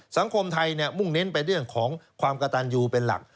สังคมไทยมุ่งเน้นไปเรื่องของความกระตันยูเป็นหลัก